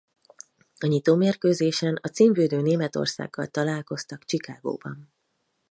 A nyitómérkőzésen a címvédő Németországgal találkoztak Chicagóban.